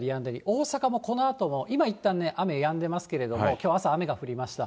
大阪もこのあとも、今、いったん雨やんでますけれども、きょう朝、雨が降りました。